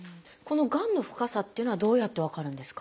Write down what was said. がんの深さっていうのはどうやって分かるんですか？